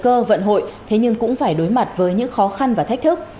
cơ vận hội thế nhưng cũng phải đối mặt với những khó khăn và thách thức